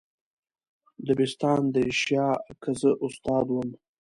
دبستان د ایشیا که زه استاد وم.